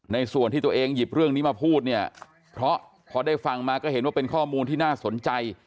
ในส่วนที่ตัวเองหยิบเรื่องนี้มาพูดเนี่ยเพราะพอได้ฟังมาก็เห็นว่าเป็นข้อมูลที่น่าสนใจ